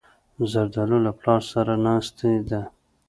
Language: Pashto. زردالو له پلار سره ناستې ده.